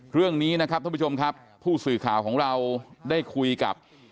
เรื่องนี้นะครับท่านผู้ชมครับผู้สื่อข่าวของเราได้คุยกับ